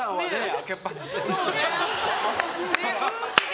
開けっ放しで。